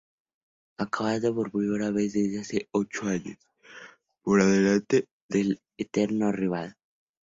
Acabando, por primera desde hace ocho años, por delante del eterno rival.